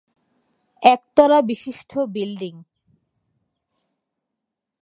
একতলা বিশিষ্ট বিল্ডিং।